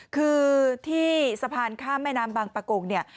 คือที่สะพานข้ามแม่น้ำบางประกงเนี่ย